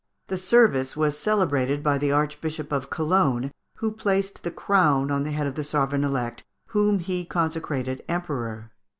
The service was celebrated by the Archbishop of Cologne, who placed the crown on the head of the sovereign elect, whom he consecrated Emperor.